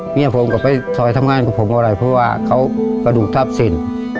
เมียผมก็ไปซอยทำงานกับผมอะไรเพราะว่าเขากระดูกทับเส้น